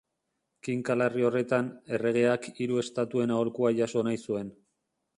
Kinka larri horretan, erregeak hiru estatuen aholkua jaso nahi zuen.